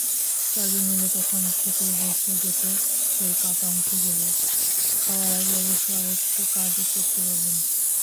চারজন মিলে তখন খেতে বসে যেত সেই কাটা অংশগুলোই! খাওয়ার আগে অবশ্য আরেকটা কাজও করতো রবিন।